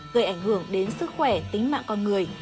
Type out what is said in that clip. gây ảnh hưởng đến sức khỏe tính mạng con người